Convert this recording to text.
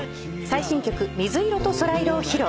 最新曲『水色と空色』を披露。